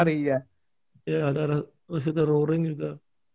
iya ada rastafari roaring juga